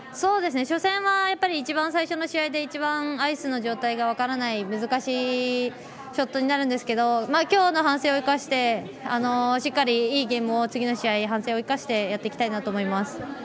初戦は一番最初の試合でアイスの状態が分からない難しいショットになるんですけど今日の反省を生かしてしっかり、いいゲームを次の試合反省を生かしてやっていきたいと思います。